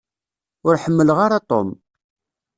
Ur ḥemmleɣ ara Tom.